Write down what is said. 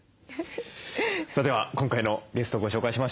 さあでは今回のゲストをご紹介しましょう。